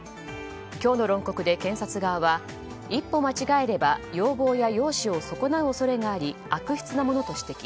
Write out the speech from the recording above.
今日の論告で、検察側は一歩間違えれば容貌や容姿を損なう恐れがあり悪質なものと指摘。